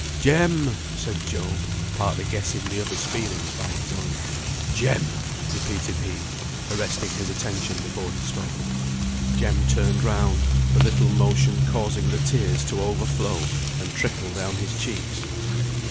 "Jem!" said Job, partly guessing the other's feelings by his own. "Jem!" repeated he, arresting his attention before he spoke. Jem turned round, the little motion causing the tears to overflow and trickle down his cheeks.